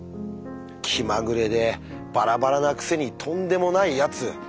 気まぐれでバラバラなくせにとんでもないやつ。